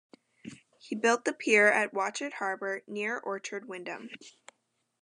He built the pier at Watchet harbour, near Orchard Wyndham.